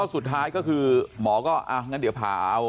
สุดท้ายก็คือหมอก็งั้นเดี๋ยวผ่าเอา